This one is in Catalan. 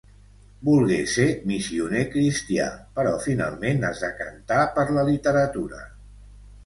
Volgué ser missioner cristià, però finalment es decantà per la literatura.